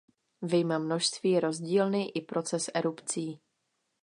Vyjma množství je rozdílný i proces erupcí.